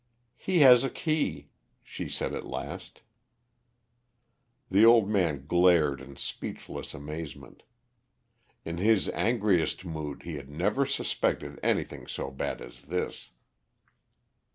"He has a key," she said at last. The old man glared in speechless amazement. In his angriest mood he had never suspected anything so bad as this.